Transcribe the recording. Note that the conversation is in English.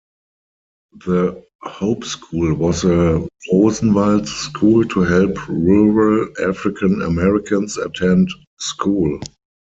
The Hope School was a Rosenwald School to help rural African-Americans attend school.